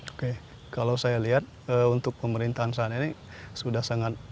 oke kalau saya lihat untuk pemerintahan saat ini sudah sangat